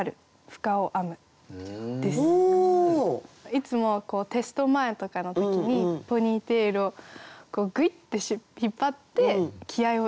いつもテスト前とかの時にポニーテールをぐいって引っ張って気合いを入れる。